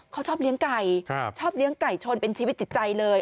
เขาชอบเลี้ยงไก่ชอบเลี้ยงไก่ชนเป็นชีวิตจิตใจเลย